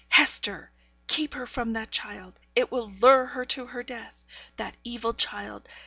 'Hester! keep her from that child! It will lure her to her death! That evil child!